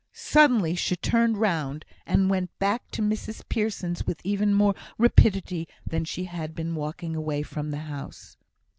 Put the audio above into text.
Suddenly she turned round, and went back to Mrs Pearson's with even more rapidity than she had been walking away from the house.